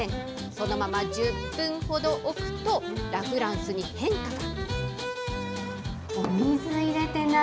そのまま１０分ほど置くと、ラ・フランスに変化が。